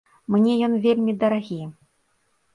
Мне ён вельмі дарагі.